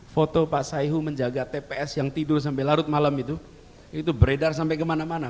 foto pak saihu menjaga tps yang tidur sampai larut malam itu itu beredar sampai kemana mana